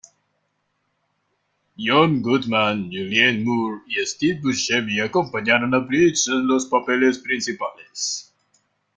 John Goodman, Julianne Moore y Steve Buscemi acompañaron a Bridges en los papeles principales.